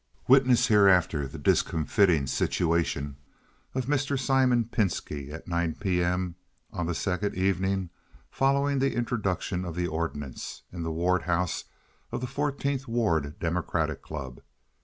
Witness hereafter the discomfiting situation of Mr. Simon Pinski at 9 P.M. on the second evening following the introduction of the ordinance, in the ward house of the Fourteenth Ward Democratic Club.